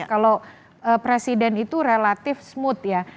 kalau presiden itu relatif smooth ya